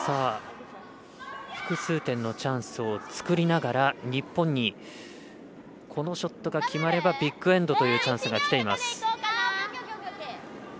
複数点のチャンスを作りながら日本に、このショットが決まればビッグエンドというチャンスがきています。